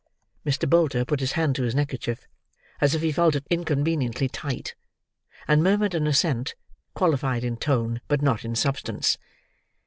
Mr. Bolter put his hand to his neckerchief, as if he felt it inconveniently tight; and murmured an assent, qualified in tone but not in substance.